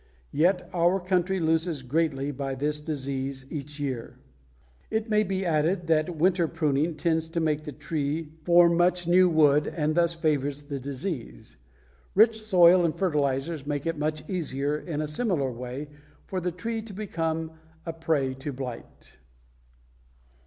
Yet our country loses greatly by this disease each year. [Illustration: FIG. 120. FIRE BLIGHT BACTERIA Magnified] It may be added that winter pruning tends to make the tree form much new wood and thus favors the disease. Rich soil and fertilizers make it much easier in a similar way for the tree to become a prey to blight.